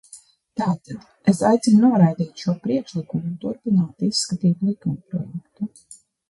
Tātad es aicinu noraidīt šo priekšlikumu un turpināt izskatīt likumprojektu.